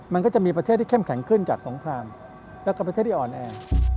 มันก็จะมีประเทศที่เข้มแข็งขึ้นจากสงครามแล้วก็ประเทศที่อ่อนแอ